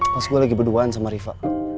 pas gue lagi berduaan sama riva